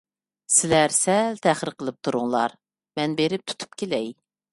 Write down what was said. سىلەر سەل تەخىر قىلىپ تۇرۇڭلار، مەن بېرىپ تۇتۇپ كېلەي.